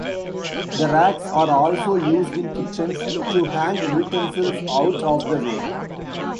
The racks are also used in kitchens, to hang utensils out of the way.